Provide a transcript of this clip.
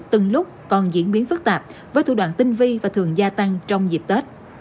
từng lúc còn diễn biến phức tạp với thủ đoạn tinh vi và thường gia tăng trong dịp tết